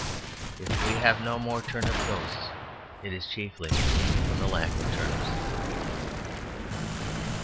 If we have no more turnip ghosts it is chiefly from the lack of turnips.